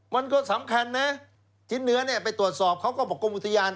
มันก็สำคัญนะชิ้นเนื้อเนี่ยไปตรวจสอบเขาก็บอกกรมอุทยาน